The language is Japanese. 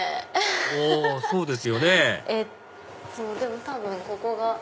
あそうですよねえっとでも多分ここが。